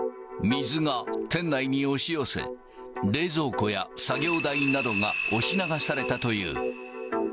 水が店内に押し寄せ、冷蔵庫や作業台などが押し流されたという。